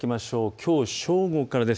きょう正午からです。